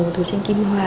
từ tranh kim hoa